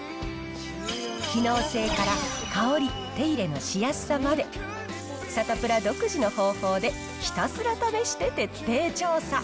機能性から香り、手入れのしやすさまで、サタプラ独自の方法でひたすら試して徹底調査。